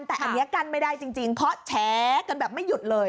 แต่อันนี้กั้นไม่ได้จริงเพราะแชร์กันแบบไม่หยุดเลย